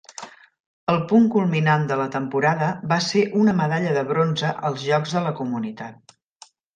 El punt culminant de la temporada va ser una medalla de bronze als Jocs de la Comunitat.